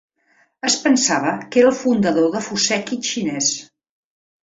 Es pensava que era el fundador de "fuseki xinès".